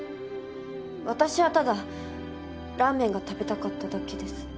私はただラーメンが食べたかっただけです。